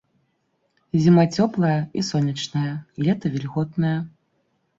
Зіма цёплая і сонечная, лета вільготнае.